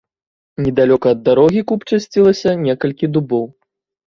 Недалёка ад дарогі купчасцілася некалькі дубоў.